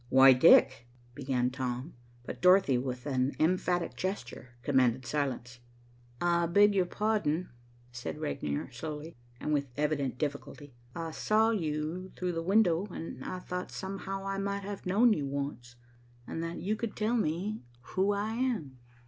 "Why, Dick," began Tom, but Dorothy, with an emphatic gesture, commanded silence. "I beg your pardon," said Regnier slowly, and with evident difficulty. "I saw you through the window, and I thought somehow I might have known you once, and that you could tell me who I am."